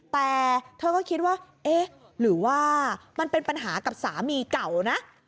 แต่เธอก็คิดว่าเอ๊ะหรือว่ามันเป็นปัญหากับสามีเก่านะ